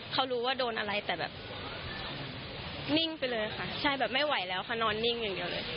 เขารู้ว่าโดนอะไรแต่แบบนิ่งไปเลยค่ะใช่แบบไม่ไหวแล้วค่ะนอนนิ่งอย่างเดียวเลย